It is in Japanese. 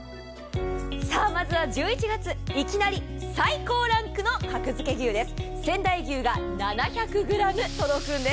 まずは１１月、いきなり最高ランクの格付け牛です。